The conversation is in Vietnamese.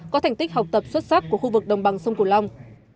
có thành tích học tập xuất sắc của khu vực đồng bằng sông cửu long